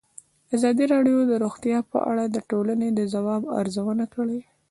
ازادي راډیو د روغتیا په اړه د ټولنې د ځواب ارزونه کړې.